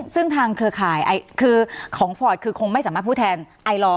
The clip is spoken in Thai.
ซึ่งทางเครือข่ายคือของฟอร์ตคือคงไม่สามารถพูดแทนไอลอร์